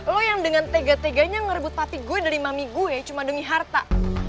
lo yang dengan tega teganya ngerebut pati gue dari mami gue cuma demi harta